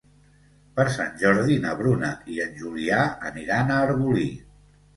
Per Sant Jordi na Bruna i en Julià aniran a Arbolí.